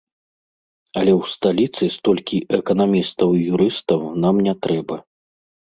Але ў сталіцы столькі эканамістаў і юрыстаў нам не трэба.